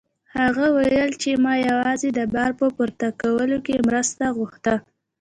هغه وویل چې ما یوازې د بار په پورته کولو کې مرسته غوښته.